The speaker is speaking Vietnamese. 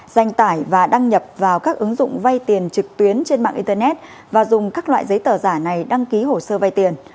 danh tải và đăng nhập vào các ứng dụng vay tiền trực tuyến trên mạng internet và dùng các loại giấy tờ giả này đăng ký hồ sơ vay tiền